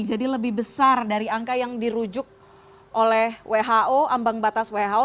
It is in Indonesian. jadi lebih besar dari angka yang dirujuk oleh who ambang batas who